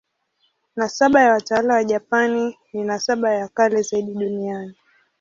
Nasaba ya watawala wa Japani ni nasaba ya kale zaidi duniani.